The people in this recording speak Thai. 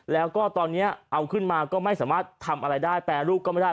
แล้วก็ตอนนี้เอาขึ้นมาก็ไม่สามารถทำอะไรได้แปรรูปก็ไม่ได้